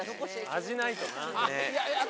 味ないとな。